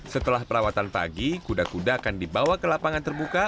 setelah perawatan pagi kuda kuda akan dibawa ke lapangan terbuka